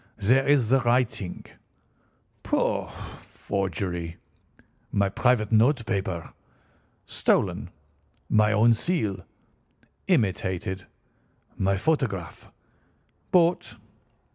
"There is the writing." "Pooh, pooh! Forgery." "My private note paper." "Stolen." "My own seal." "Imitated." "My photograph." "Bought."